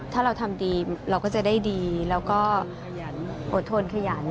ถ้าเราทำดีเราก็จะได้ดีแล้วก็อดทนขยัน